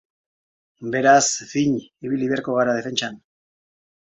Beraz, fin ibili beharko gara defentsan.